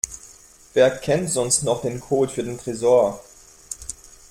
Wer kennt sonst noch den Code für den Tresor?